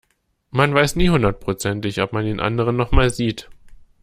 Man weiß nie hundertprozentig, ob man den anderen noch mal sieht.